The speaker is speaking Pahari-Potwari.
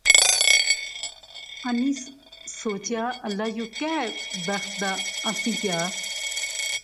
انی سوچیا اللہ یو کہہ بخت دا اسیں کیا